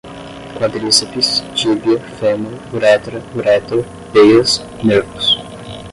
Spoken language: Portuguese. quadríceps, tíbia, fêmur, uretra, uréter, veias, nervos